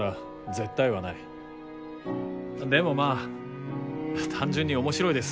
でもまあ単純に面白いです